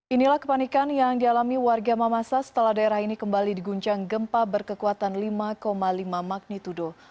inilah kepanikan yang dialami warga mamasa setelah daerah ini kembali diguncang gempa berkekuatan lima lima magnitudo